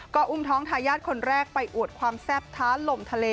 ก็อุ้มท้องทายาทคนแรกไปอวดความแซ่บท้าลมทะเล